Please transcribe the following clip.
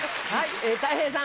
たい平さん。